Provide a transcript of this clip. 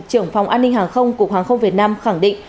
trưởng phòng an ninh hàng không cục hàng không việt nam khẳng định